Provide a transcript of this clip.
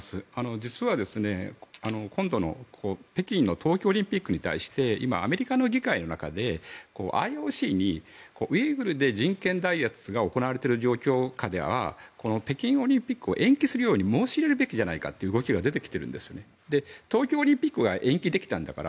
実は今度の北京の冬季オリンピックに対してアメリカの議会に対してＩＯＣにウイグルで人権弾圧が行われている状況下では北京オリンピックを延期するように申し入れるべきじゃないかという動きが出てきているんですね。